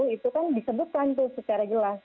itu kan disebutkan tuh secara jelas